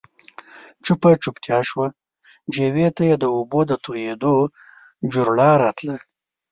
چوپه چوپتيا شوه، جووې ته د اوبو د تويېدو جورړا راتله.